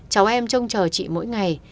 cháu em trông chờ chị mỗi ngày